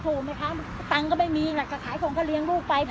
ถูกไหมคะตังค์ก็ไม่มีแหละก็ขายของก็เลี้ยงลูกไป